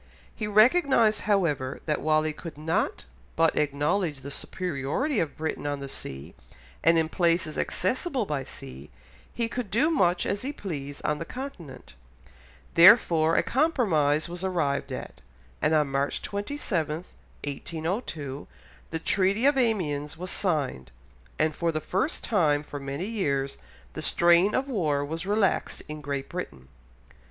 He recognised, however, that while he could not but acknowledge the superiority of Britain on the sea, and in places accessible by sea, he could do much as he pleased on the Continent, therefore a compromise was arrived at, and on March 27, 1802, the Treaty of Amiens was signed, and for the first time for many years the strain of war was relaxed in Great Britain.